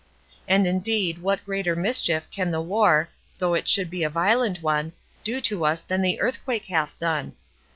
And indeed what greater mischief can the war, though it should be a violent one, do to us than the earthquake hath done?